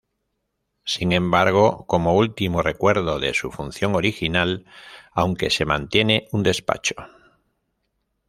Sin embargo, como último recuerdo de su función original, aunque se mantiene un despacho.